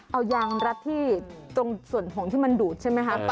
เอายางรัดที่ตรงส่วนผงที่มันดูดใช่ไหมคะ